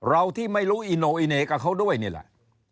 ที่ไม่รู้อิโนอิเนกับเขาด้วยนี่แหละ